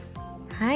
はい。